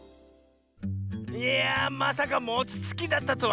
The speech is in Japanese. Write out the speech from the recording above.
いやまさかもちつきだったとはね！